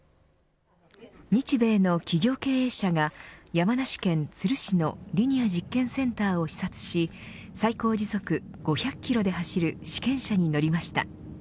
日米の企業経営者が山梨県都留市のリニア実験センターを視察し最高時速５００キロで走る試験車に乗りました。